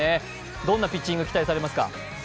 どんなピッチング期待されますか？